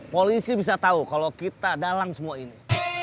polisi bisa tahu kalau kita dalang semua ini